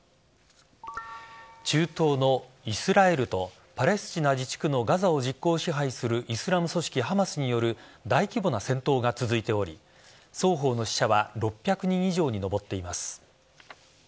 中東のイスラエルとパレスチナ自治区のガザを実効支配するイスラム組織・ハマスによる大規模な戦闘が続いており双方の死者は６００人以上に上っています。